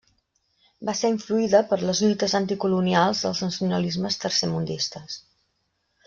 Va ser influïda per les lluites anticolonials dels nacionalismes tercermundistes.